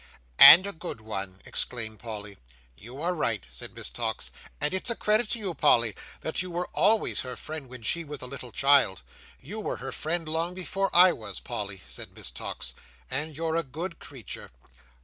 "And a good one!" exclaimed Polly. "You are right," said Miss Tox; "and it's a credit to you, Polly, that you were always her friend when she was a little child. You were her friend long before I was, Polly," said Miss Tox; "and you're a good creature.